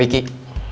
ya udah siap